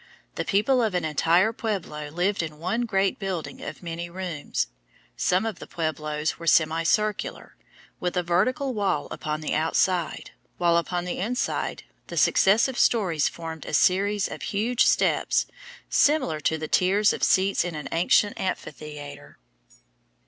The people of an entire pueblo lived in one great building of many rooms. Some of the pueblos were semi circular, with a vertical wall upon the outside, while upon the inside the successive stories formed a series of huge steps similar to the tiers of seats in an ancient amphitheatre.